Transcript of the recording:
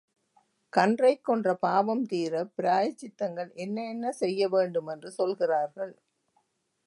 கன்றைக் கொன்ற பாவம் தீரப் பிராயச்சித்தங்கள் என்ன என்ன செய்ய வேண்டும் என்று சொல்கிறார்கள்.